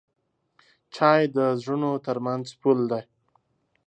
چای د زړونو ترمنځ پل دی.